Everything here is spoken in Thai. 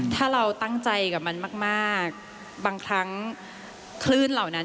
ถ้าเราตั้งใจกับมันมากบางครั้งคลื่นเหล่านั้น